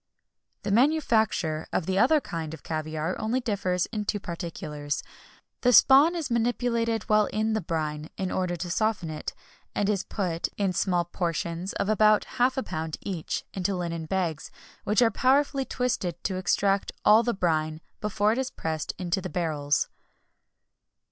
[XXI 42] The manufacture of the other kind of caviar only differs in two particulars. The spawn is manipulated while in the brine, in order to soften it, and it is put, in small portions of about half a pound each, into linen bags, which are powerfully twisted to extract all the brine before it is pressed into the barrels.